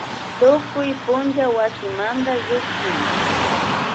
Tukuy punlla wasimanda llukshin